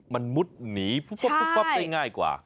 มันมุดหนีปุ๊บได้ง่ายกว่า